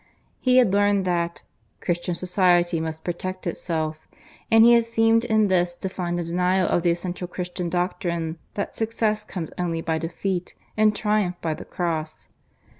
He had learned that "Christian society must protect itself"; and he had seemed in this to find a denial of the essential Christian doctrine that success comes only by defeat, and triumph by the Cross.